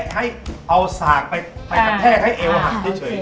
แค่ให้เอาสากไปภัยเอวหันที่เฉย